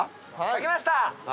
書きました！